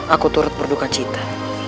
aku turut berduka cita